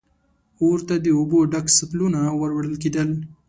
اور ته د اوبو ډک سطلونه ور وړل کېدل.